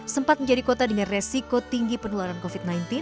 sempat menjadi kota dengan resiko tinggi penularan covid sembilan belas